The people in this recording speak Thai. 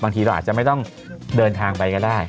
บางทีเราอาจจะไม่ต้องเดินทางไปก็ได้